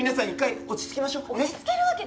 いや落ち着きましょう。